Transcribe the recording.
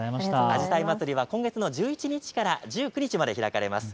あじさい祭りは今月の１１日から１９日まで開かれます。